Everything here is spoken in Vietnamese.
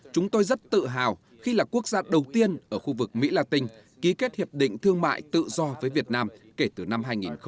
chúng tôi rất tự hào khi là quốc gia đầu tiên ở khu vực mỹ la tinh ký kết hiệp định thương mại tự do với việt nam kể từ năm hai nghìn một mươi